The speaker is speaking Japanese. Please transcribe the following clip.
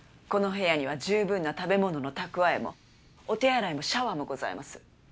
この部屋には十分な食べ物の蓄えもお手洗いもシャワーもございます。